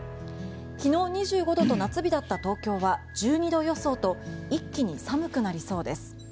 昨日２５度と夏日だった東京は１２度予想と一気に寒くなりそうです。